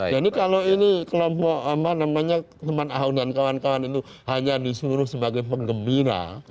jadi kalau ini kelompok apa namanya teman ahok dan kawan kawan itu hanya disuruh sebagai penggembira